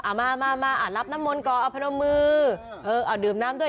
เอามามารับน้ำมนต์ก่อนเอาพนมมือเออเอาดื่มน้ำด้วย